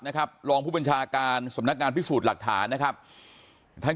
นะครับรองผู้บัญชาการสำนักงานพิสูจน์หลักฐานนะครับท่าน